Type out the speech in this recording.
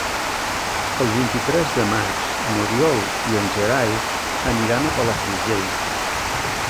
El vint-i-tres de maig n'Oriol i en Gerai aniran a Palafrugell.